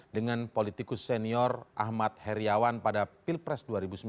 dengan politikus senior ahmad heriawan pada pilpres dua ribu sembilan belas